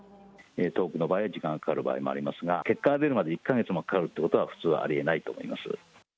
遠くの場合には、時間がかかる場合もありますが、結果が出るまで１か月もかかるということは、普通はありえないと思います。